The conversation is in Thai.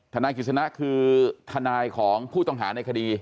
นายกิจสนะคือทนายของผู้ต้องหาในคดี